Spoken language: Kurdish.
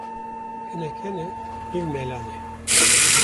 Hinek hene nîv mela ne